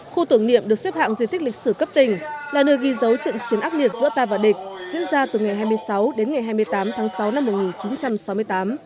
khu tưởng niệm được xếp hạng di tích lịch sử cấp tỉnh là nơi ghi dấu trận chiến ác liệt giữa ta và địch diễn ra từ ngày hai mươi sáu đến ngày hai mươi tám tháng sáu năm một nghìn chín trăm sáu mươi tám